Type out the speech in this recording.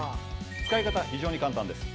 使い方非常に簡単です。